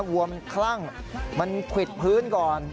วัวมันคลั่งมันควิดพื้นก่อน